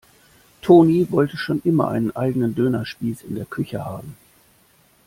Toni wollte schon immer einen eigenen Dönerspieß in der Küche haben.